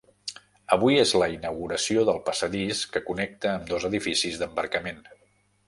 Avui és la inauguració del passadís que connecta ambdós edificis d'embarcament.